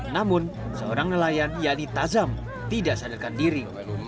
namun seorang nelayan yani tazam tidak sadarkan diri